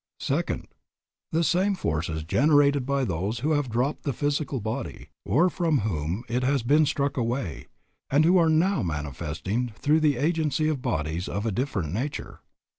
Second, the same forces generated by those who have dropped the physical body, or from whom it has been struck away, and who are now manifesting through the agency of bodies of a different nature.